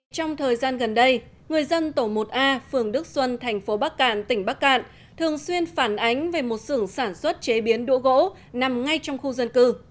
trong thời gian gần đây người dân tổ một a phường đức xuân thành phố bắc cạn tỉnh bắc cạn thường xuyên phản ánh về một sưởng sản xuất chế biến đũa gỗ nằm ngay trong khu dân cư